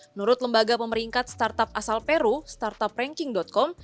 menurut lembaga pemeringkat startup asal peru startupranking com